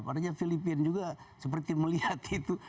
artinya filipina juga seperti melihat itu